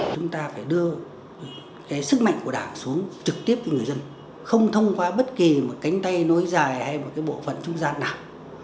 chúng ta phải đưa cái sức mạnh của đảng xuống trực tiếp với người dân không thông qua bất kỳ một cánh tay nối dài hay một bộ phận trung gian nào